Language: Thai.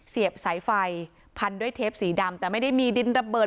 บสายไฟพันด้วยเทปสีดำแต่ไม่ได้มีดินระเบิด